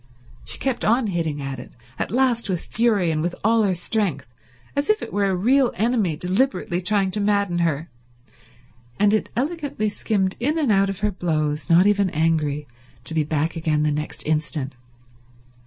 She kept on hitting at it at last with fury and with all her strength, as if it were a real enemy deliberately trying to madden her; and it elegantly skimmed in and out of her blows, not even angry, to be back again the next instant.